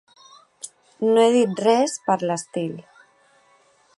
No he dit res per l'estil.